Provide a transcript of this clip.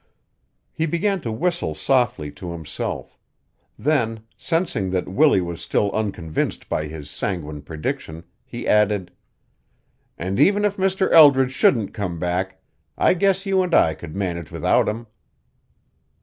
He began to whistle softly to himself; then, sensing that Willie was still unconvinced by his sanguine prediction, he added: "And even if Mr. Eldridge shouldn't come back, I guess you and I could manage without him."